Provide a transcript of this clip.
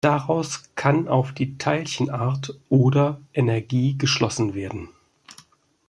Daraus kann auf die Teilchenart oder -energie geschlossen werden.